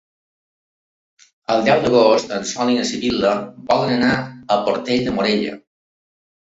El deu d'agost en Sol i na Sibil·la volen anar a Portell de Morella.